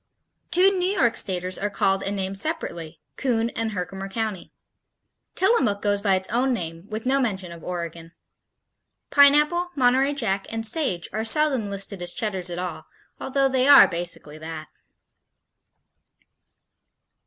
Two New York Staters are called and named separately, Coon and Herkimer County. Tillamook goes by its own name with no mention of Oregon. Pineapple, Monterey Jack and Sage are seldom listed as Cheddars at all, although they are basically that.